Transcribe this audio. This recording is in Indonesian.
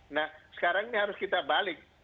nah sekarang ini harus kita balik